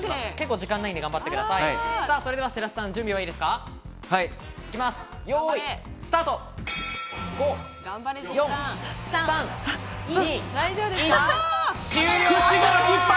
時間がないので頑張ってください。